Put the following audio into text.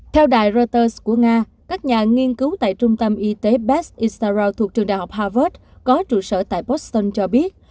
theo đài reuters của nga các nhà nghiên cứu tại trung tâm y tế best israel thuộc trường đại học harvard có trụ sở tại boston cho biết